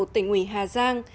tỉnh ủy hà giang